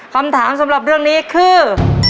คำถามสำหรับเรื่องนี้คือ